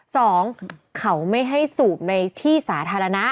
สองเขาไม่ให้สูบในที่สาธารณะ